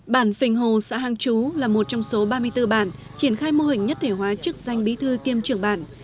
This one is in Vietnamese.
bản phình hồ xã hàng chú là một trong số ba mươi bốn bản triển khai mô hình nhất thể hóa chức danh bí thư kiêm trưởng bản